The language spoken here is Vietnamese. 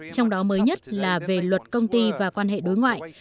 trong đó mới nhất là về luật công ty và quan hệ đối ngoại